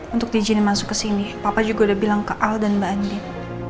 untuk diizinin masuk ke sini papa juga udah bilang ke al dan mbak andi